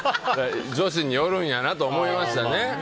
女子によるんやなと思いましたね。